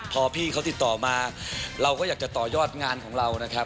พอพี่เขาติดต่อมาเราก็อยากจะต่อยอดงานของเรานะครับ